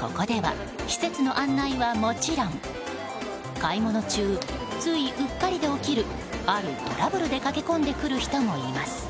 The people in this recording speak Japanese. ここでは施設の案内はもちろん買い物中、ついうっかりで起きるあるトラブルで駆け込んでくる人もいます。